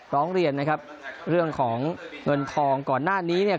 ร้องเรียนนะครับเรื่องของเงินทองก่อนหน้านี้เนี่ย